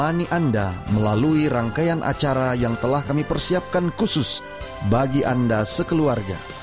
melayani anda melalui rangkaian acara yang telah kami persiapkan khusus bagi anda sekeluarga